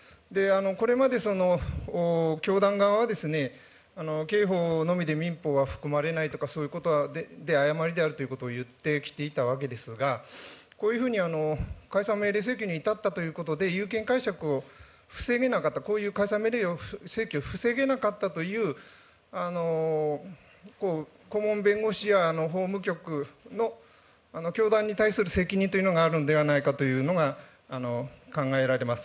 これまで教団側は、刑法のみで民法は含まれないとか、そういうことは誤りであるということを言ってきていたわけですが、こういうふうに、解散命令請求に至ったということで、有権解釈を防げなかった、解散命令請求を防げなかったという、顧問弁護士や法務局の教団に対する責任というのがあるのではないかというのが考えられます。